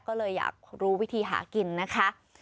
ก็เลยอยากรู้วิธีหากินนะคะ